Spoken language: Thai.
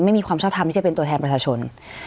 ไม่มีความชอบทำที่จะเป็นตัวแทนประชาชน